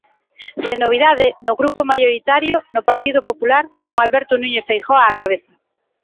Sen novidade no grupo maioritario, no Partido Popular, con Alberto Núñez Feijóo á cabeza.